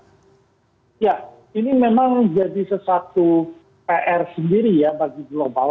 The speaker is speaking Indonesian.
ya ini memang jadi sesuatu pr sendiri ya bagi global